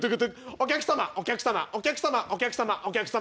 「お客様」「お客様」「お客様」「お客様」「お客様」。